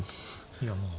いやまあ。